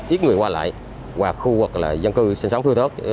ít người qua lại hoặc khu vực là dân cư sinh sống thưa thớt